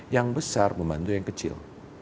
yang besar membantu yang kecil